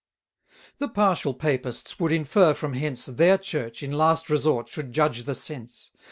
The partial Papists would infer from hence, Their Church, in last resort, should judge the sense.